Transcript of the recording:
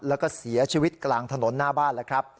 แล้วก็เสียชีวิตกลางถนนหน้าบ้าน